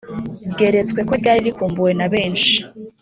ryeretswe ko ryari rikumbuwe na benshi